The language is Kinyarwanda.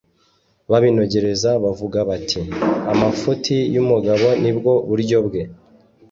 babinogerezaga bavuga bati: “amafuti y’umugabo ni bwo buryo bwe.”